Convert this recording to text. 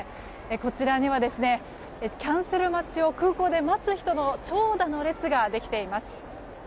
こちらにはキャンセル待ちを空港で待つ人の長蛇の列ができています。